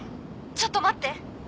ちょっと待って！